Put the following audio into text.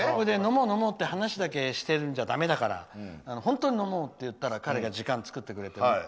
それで飲もうって話だけしてるんじゃだめだから本当に飲もうって言ったら彼が時間を作ってくれてね。